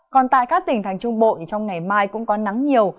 còn tại các tỉnh thành trung bộ thì trong ngày mai cũng có nắng nhiều